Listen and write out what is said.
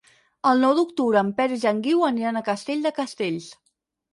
El nou d'octubre en Peris i en Guiu aniran a Castell de Castells.